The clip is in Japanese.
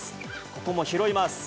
ここも拾います。